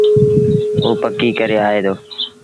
اُ پڪيٚ ڪري آئي دو۔